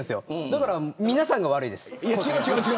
だから、皆さんが悪いです。